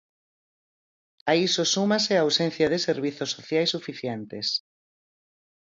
A iso súmase a ausencia de servizos sociais suficientes.